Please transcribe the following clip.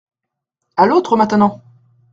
À l’autre maintenant !